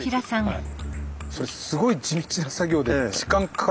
はい。